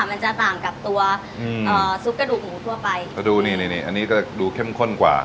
มันจะต่างกับตัวอืมเอ่อซุปกระดูกหมูทั่วไปถ้าดูนี่นี่อันนี้ก็ดูเข้มข้นกว่า